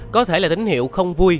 có thể là tín hiệu không vui